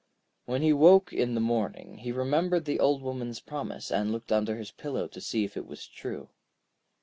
When he woke in the morning, he remembered the Old Woman's promise, and looked under his pillow to see if it was true.